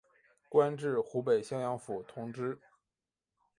官至湖北襄阳府同知。